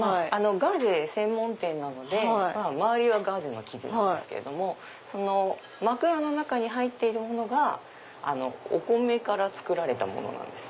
ガーゼ専門店なので周りはガーゼの生地なんですけども枕の中に入っているものがお米から作られたものなんです。